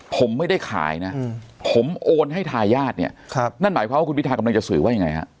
ผมไม่ได้ขายนะผมโอนให้ทายาทเนี่ยนั่นหมายความว่าคุณพิทากำลังจะสื่อว่ายังไงฮะ